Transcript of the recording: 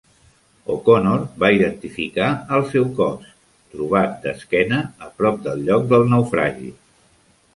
O'Conor va identificar el seu cos, trobat d'esquena a prop del lloc del naufragi.